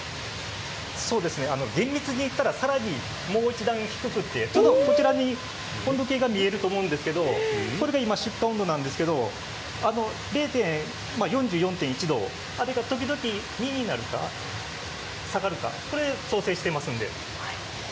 厳密にいったら、更にもう一段低くてちょっとこちらに、温度計が見えると思うんですけどこれが今、出荷温度なんですけれども４４．１度、あれがときどき２になるか、下がるかこれで調整していますので。